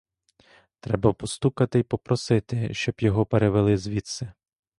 Треба постукати й попросити, щоб його перевели звідси.